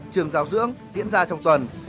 trường giáo dưỡng diễn ra trong tuần